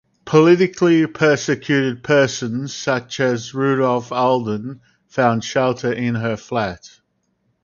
Politically persecuted persons such as Rudolf Olden found shelter in her flat.